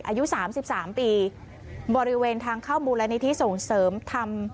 อายุสามสิบสามปีบริเวณทางเข้ามูลนิธิส่งเสริมธรรม